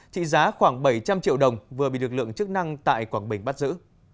trị giá khoảng bảy trăm linh triệu đồng vừa bị lực lượng chức năng tại quảng bình bắt giữ